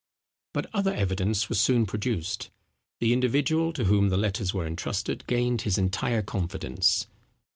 But other evidence was soon produced. The individual to whom the letters were entrusted gained his entire confidence.